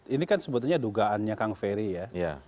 ini kan sebetulnya dugaannya kang ferry ya